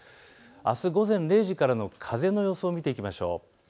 あす午前０時からの風の予想を見ていきましょう。